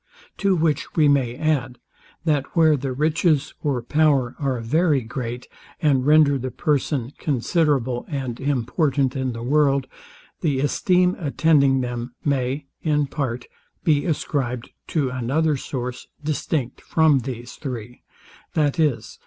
To which we may add, that where the riches or power are very great, and render the person considerable and important in the world, the esteem attending them, may, in part, be ascribed to another source, distinct from these three, viz.